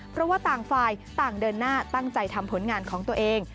เพราะว่าต่างฝ่ายต่างเดินหน้าตั้งใจทำผลงานของตัวเอง